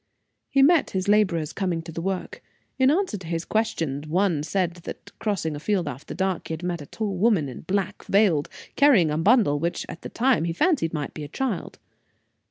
He met his laborers coming to the work. In answer to his questions, one said that, crossing a field after dark, he had met a tall woman, in black, veiled, carrying a bundle which, at the time, he fancied might be a child.